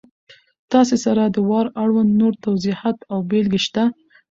تاسې سره د وار اړوند نور توضیحات او بېلګې شته!